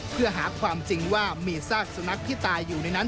เพื่อหาความจริงว่ามีซากสุนัขที่ตายอยู่ในนั้น